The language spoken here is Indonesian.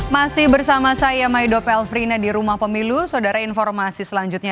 masih bersama saya maido pelfrina di rumah pemilu